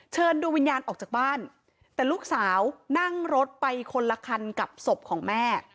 เชิญดวงวิญญาณออกจากบ้านแต่ลูกสาวนั่งรถไปคนละคันกับศพของแม่